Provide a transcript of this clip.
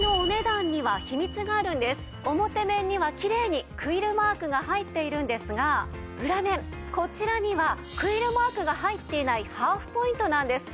表面にはきれいにクイルマークが入っているんですが裏面こちらにはクイルマークが入っていないハーフポイントなんです。